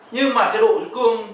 nhưng mà độ cương